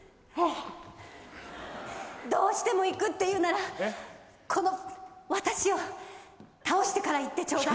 どうしても行くって言うならこの私を倒してから行ってちょうだい。